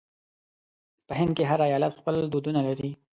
په هند کې هر ایالت خپل دودونه لري.